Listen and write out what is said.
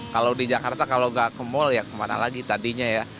kalau di jakarta kalau nggak ke mall ya kemana lagi tadinya ya